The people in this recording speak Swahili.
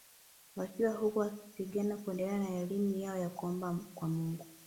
Wakiwa huko wapiganaji huendelea na elimu yao na kuomba kwa Mungu